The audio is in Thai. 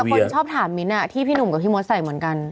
คนชอบถามมิ้นท์ที่พี่หนุ่มกับพี่มดใส่เหมือนกัน